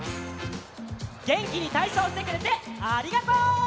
げんきにたいそうしてくれてありがとう！